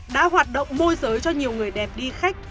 đã hoạt động môi giới cho nhiều người đẹp đi khách